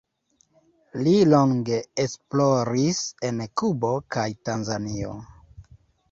Li longe esploris en Kubo kaj Tanzanio.